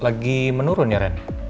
lagi menurun ya ren